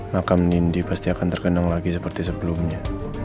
makam nindi pasti akan tergenang lagi seperti sebelumnya